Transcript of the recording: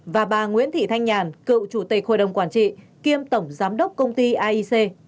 và bà nguyễn thị thanh nhàn cựu chủ tịch hội đồng quản trị kiêm tổng giám đốc công ty aic